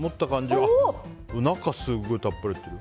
でも中、すごいたっぷり入ってる。